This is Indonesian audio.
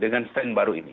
dengan tren baru ini